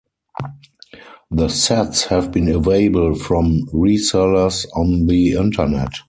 The Sets have been available from re-sellers on the internet.